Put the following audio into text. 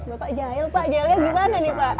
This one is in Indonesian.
bapak jahil pak jahilnya gimana nih pak